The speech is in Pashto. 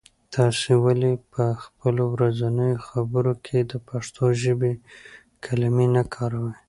تاسې ولې په خپلو ورځنیو خبرو کې د پښتو ژبې کلمې نه کاروئ؟